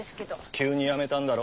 急に辞めたんだろ？